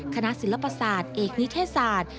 คณะศิลปศาสตร์เอกนิเทศศาสตร์